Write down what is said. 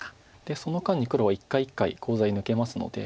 その間に黒は一回一回コウ材抜けますので。